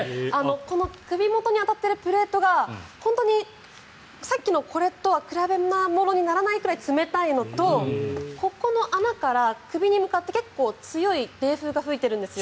首元に当たっているプレートが本当にさっきのこれとは比べ物にならないぐらい冷たいのとここの穴から首に向かって結構強い冷風が吹いてるんです。